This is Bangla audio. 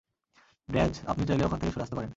ব্র্যায, আপনি চাইলে ওখান থেকে সরে আসতে পারেন!